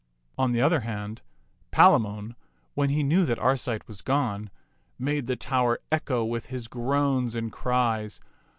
On the other hand, Palamon, when he knew that Arcite was gone, made the tower echo with his groans and cries.